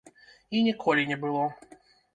І ніколі не было.